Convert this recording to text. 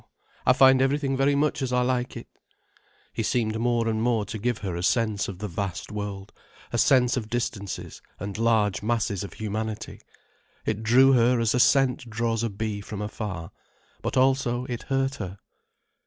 I find everything very much as I like it." He seemed more and more to give her a sense of the vast world, a sense of distances and large masses of humanity. It drew her as a scent draws a bee from afar. But also it hurt her.